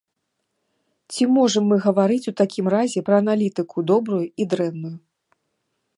Ці можам мы гаварыць у такім разе пра аналітыку добрую і дрэнную?